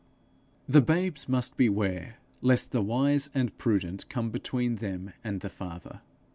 The babes must beware lest the wise and prudent come between them and the Father.